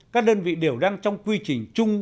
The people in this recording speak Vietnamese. các đơn vị đều đang trong quy trình chung